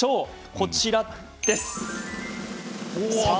こちらです。